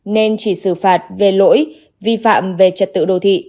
nên chỉ xử phạt về lỗi vi phạm về trật tự đô thị